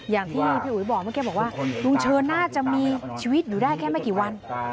อย่างที่พี่อุ๋ยบอกเมื่อกี้บอกว่าลุงเชิญน่าจะมีชีวิตอยู่ได้แค่ไม่กี่วัน